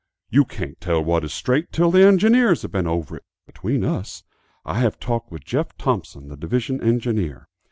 "You can't tell what is the straight line till the engineers have been over it. Between us, I have talked with Jeff Thompson, the division engineer.